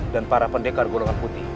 dan para pendekar golongan putih